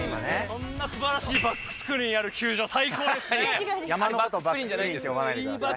こんなすばらしいバックスクリーンある球場最高ですね。